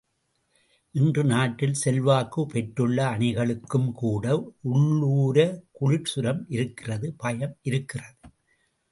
இன்று நாட்டில் செல்வாக்குப் பெற்றுள்ள அணிகளுக்கும் கூட உள்ளூர குளிர்சுரம் இருக்கிறது பயம் இருக்கிறது.